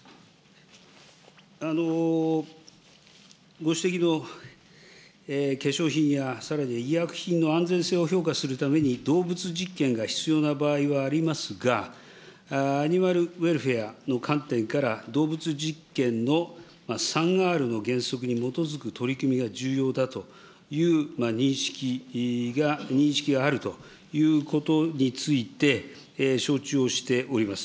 ご指摘の化粧品や、さらに医薬品の安全性を評価するために、動物実験が必要な場合はありますが、アニマルウェルフェアの観点から、動物実験の３Ｒの原則に基づく取り組みが重要だという認識が、認識があるということについて、承知をしております。